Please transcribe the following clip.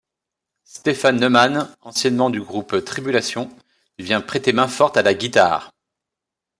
Stefan Neuman, anciennement du groupe Tribulation, vient prêter main-forte à la guitare.